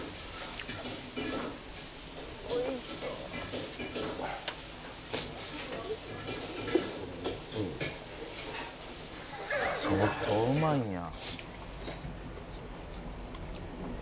「美味しそう」「相当うまいんや」